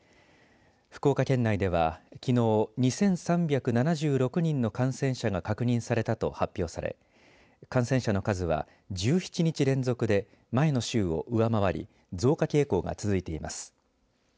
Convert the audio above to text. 福岡県内では、きのう２３７６人の感染者が確認されたと発表され感染者の数は１７日連続で前の週を上回り増加傾向が続いています。